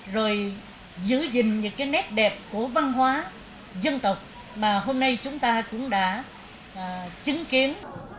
rồi giữ gìn những cái nét đẹp của văn hóa dân tộc mà hôm nay chúng ta cũng đã chứng kiến